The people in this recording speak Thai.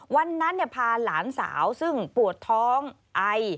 วันนั้นพาหลานสาวซึ่งปวดท้องไอ